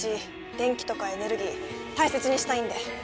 電気とかエネルギー大切にしたいんで。